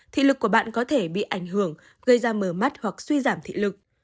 thị lực của bạn có thể bị ảnh hưởng gây ra mở mắt hoặc suy giảm thị lực